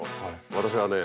私はね